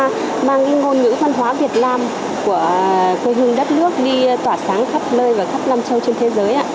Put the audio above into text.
chúng ta mang những ngôn ngữ văn hóa việt nam của quê hương đất nước đi tỏa sáng khắp nơi và khắp năm châu trên thế giới